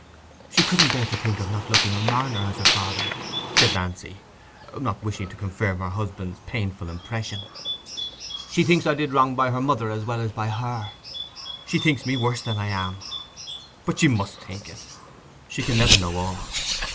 "She couldn't bear to think of not looking on Marner as her father," said Nancy, not wishing to confirm her husband's painful impression. "She thinks I did wrong by her mother as well as by her. She thinks me worse than I am. But she must think it: she can never know all.